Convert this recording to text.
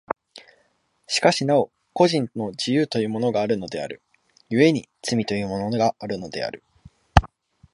しかしなお個人の自由というものがあるのである、故に罪というものがあるのである。